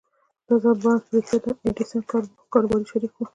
دا ځل بارنس په رښتيا د ايډېسن کاروباري شريک و.